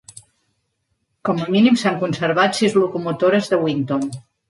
Com a mínim s'han conservat sis locomotores De Winton.